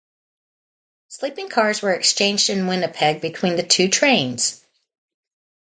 Sleeping cars were exchanged in Winnipeg between the two trains.